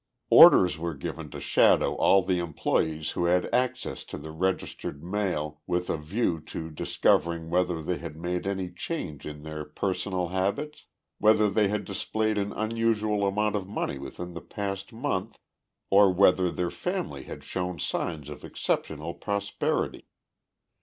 Orders were given to shadow all the employees who had access to the registered mail with a view to discovering whether they had made any change in their personal habits, whether they had displayed an unusual amount of money within the past month, or whether their family had shown signs of exceptional prosperity.